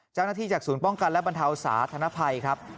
เจ้าหน้าที่จากศูนย์ป้องกันและบรรเทาสาธนภัยครับ